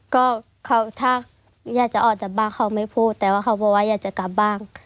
ก็เขาถ้าอยากจะออกจากบ้านเขาไม่พูดแต่ว่าเขาบอกว่าอยากจะกลับบ้าง